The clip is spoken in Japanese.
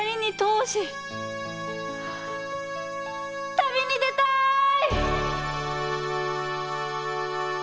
旅にでたい！